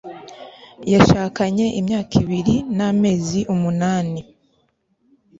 yashakanye imyaka ibiri n'amezi umunani